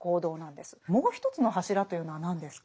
もう一つの柱というのは何ですか？